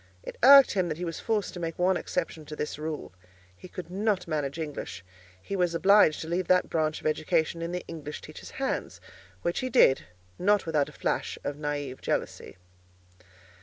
It irked him that he was forced to make one exception to this rule. He could not manage English: he was obliged to leave that branch of education in the English teacher's hands; which he did, not without a flash of naïve jealousy.